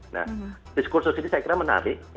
nah diskursus ini saya kira menarik